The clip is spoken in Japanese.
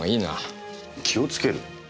気をつける？